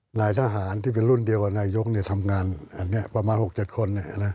นายทหารที่เป็นรุ่นเดียวกับนายกทำงานประมาณ๖๗คน